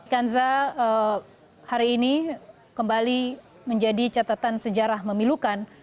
kanza hari ini kembali menjadi catatan sejarah memilukan